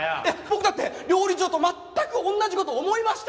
僕だって料理長と全く同じ事思いましたよ！